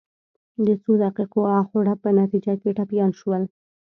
د څو دقیقو اخ و ډب په نتیجه کې ټپیان شول.